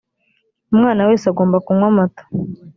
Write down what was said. umwana wese agomba kunywa amata